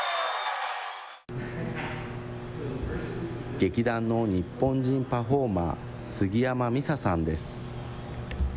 劇団の日本人パフォーマー、杉山美紗さんです。